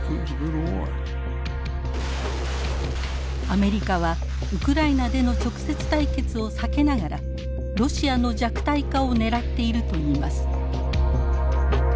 アメリカはウクライナでの直接対決を避けながらロシアの弱体化を狙っているといいます。